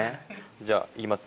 じゃあ行きます。